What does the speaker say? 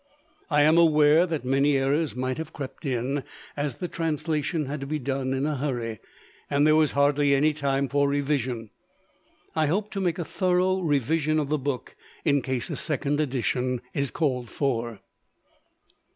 I am aware that many errors might have crept in, as the translation had to be done in a hurry, and there was hardly anytime for revision. I hope to make a thorough revision of the book, in case a second edition is called for.